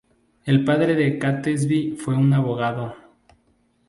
El padre de Catesby fue un abogado.